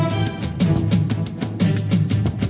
ร้องได้นะ